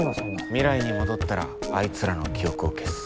未来に戻ったらあいつらの記憶を消す。